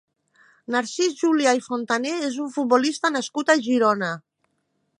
Narcís Julià i Fontané és un futbolista nascut a Girona.